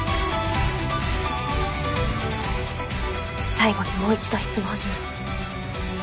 最後にもう一度質問します。